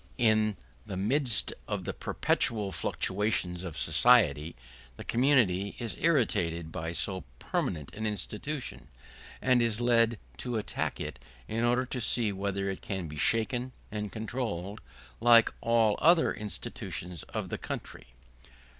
In the midst of the perpetual fluctuation of society the community is irritated by so permanent an institution, and is led to attack it in order to see whether it can be shaken and controlled, like all the other institutions of the country.